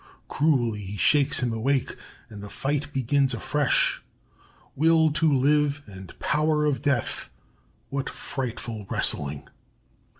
Cruelly he shakes him awake, and the fight begins afresh. Will to live and power of Death! What frightful wrestling!